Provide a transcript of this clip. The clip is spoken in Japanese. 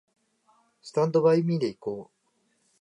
スタンドバイミーで行こう